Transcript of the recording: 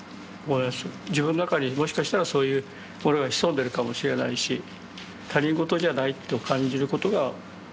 自分の中にもしかしたらそういうものが潜んでるかもしれないし他人事じゃないと感じることが。